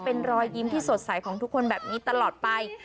เป็นรอยยิ้มที่สดใสของทุกคนแบบนี้ตลอดไป